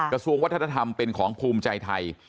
กระทรวงวัฒนธรรมเป็นของภูมิใจไทย